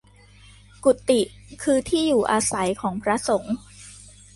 กุฎิ คือที่อยู่อาศัยของพระสงฆ์